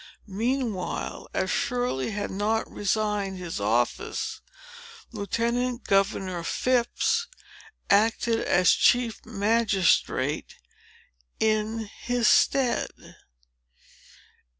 Meanwhile, as Shirley had not resigned his office, Lieutenant Governor Phips acted as chief magistrate in his stead.